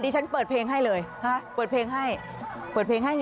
ดีฉันเปิดเพลงให้เลยเปิดเพลงให้